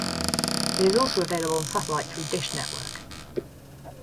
It is also available on satellite through Dish Network.